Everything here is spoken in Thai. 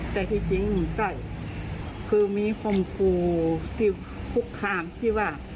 แต่ที่จริงก็คือมีคมครูที่คุกคามที่ว่า